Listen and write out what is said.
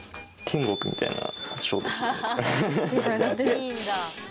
いいんだ。